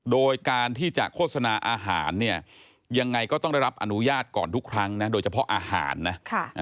โดยการที่จะโฆษณาอาหารเนี่ยยังไงก็ต้องได้รับอนุญาตก่อนทุกครั้งนะโดยเฉพาะอาหารนะ